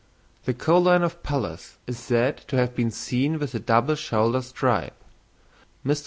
The koulan of Pallas is said to have been seen with a double shoulder stripe. Mr.